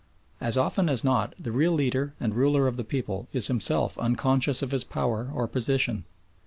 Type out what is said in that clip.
As often as not the real leader and ruler of the people is himself unconscious of his power or position.